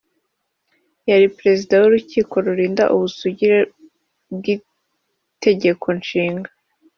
Yari Perezida w’Urukiko rurinda Ubusugire bw’Itegeko Nshinga